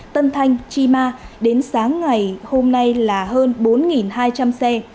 tân thanh chima đến sáng ngày hôm nay là hơn bốn hai trăm linh xe